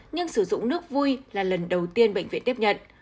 nhưng sử dụng nước vui là lần đầu tiên bệnh viện tiếp nhận